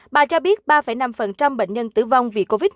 bà cho biết ba năm bệnh nhân tử vong vì covid một mươi